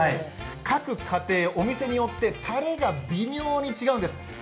各家庭、お店によってたれが微妙に違うんです。